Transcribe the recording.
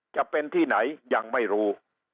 จะเป็นที่ไหนยังไม่รู้